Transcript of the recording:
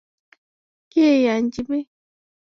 কে এই আইনজীবী?